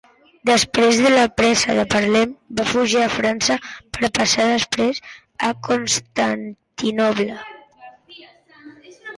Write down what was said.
Després de la presa de Palerm va fugir a França per passar després a Constantinoble.